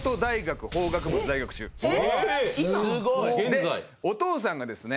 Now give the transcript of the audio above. でお父さんがですね